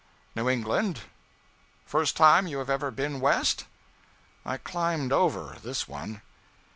'New England.' 'First time you have ever been West?' I climbed over this one.